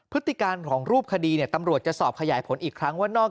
พฤติการของรูปคดีเนี่ยตำรวจจะสอบขยายผลอีกครั้งว่านอก